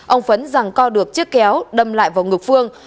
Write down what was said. ông phấn rằng co được chiếc kéo đâm lại vào ngực phương